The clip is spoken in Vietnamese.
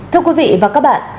thưa quý vị và các bạn